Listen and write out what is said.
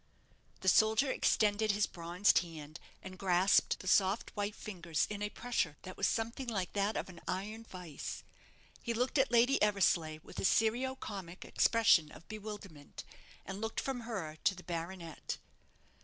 The soldier extended his bronzed hand, and grasped the soft white fingers in a pressure that was something like that of an iron vice. He looked at Lady Eversleigh with a serio comic expression of bewilderment, and looked from her to the baronet.